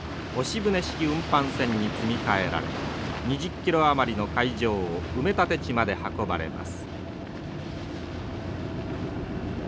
船式運搬船に積み替えられ２０キロ余りの海上を埋め立て地まで運ばれます。